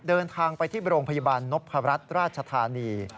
เดินทางไปที่โรงพยาบาลนพรัชราชธานี